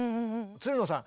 つるのさん